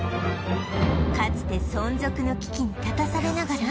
かつて存続の危機に立たされながら